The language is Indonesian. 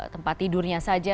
tempat tidurnya saja